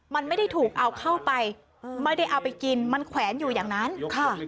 มันไม่ได้ถูกเอาเข้าไปไม่ได้เอาไปกินมันแขวนอยู่อย่างนั้นค่ะ